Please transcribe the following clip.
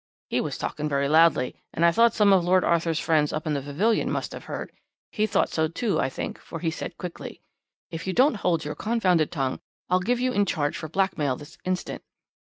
"He was talking very loudly, and I thought some of Lord Arthur's friends up in the pavilion must have heard. He thought so, too, I think, for he said quickly: "'If you don't hold your confounded tongue, I'll give you in charge for blackmail this instant.'